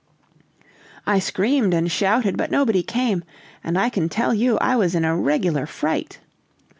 "I screamed and shouted, but nobody came, and I can tell you I was in a regular fright.